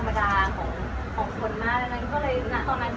แต่จุดเข้าใจโลกเข้าใจชีวิตเข้าใจธรรมดาของคนมาก